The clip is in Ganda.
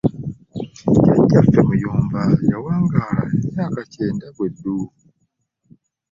Jjajjaffe Muyomba yawangaala emyaka kyenda be ddu!